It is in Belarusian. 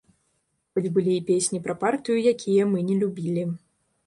Хоць былі і песні пра партыю, якія мы не любілі.